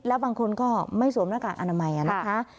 แล้วบางคนก็ไม่สวมหน้ากากอนามัยนะคะ